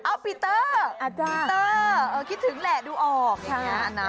อ้าวปีเตอร์ปีเตอร์คิดถึงแหละดูออกค่ะนะ